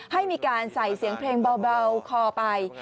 ให้มีการใส่เสียงเพลงเบาคอไป